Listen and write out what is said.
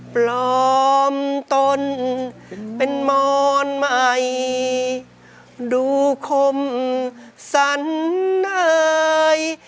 ปลอมตนเป็นมอนใหม่ดูคมสันเนย